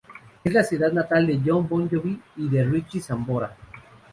Es la ciudad natal de Jon Bon Jovi y de Richie Sambora.